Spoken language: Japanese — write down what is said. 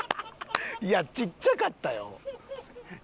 いやちっちゃかったよ。